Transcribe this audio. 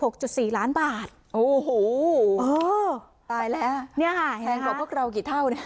ค่ะ๒๖๔ล้านบาทโอ้โหตายแล้วเนี่ยแพงกว่าพวกเรากี่เท่าเนี่ย